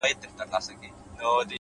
عاجزي د درناوي لاره پرانیزي،